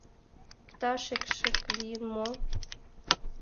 Иктаж экшык лийын мо?..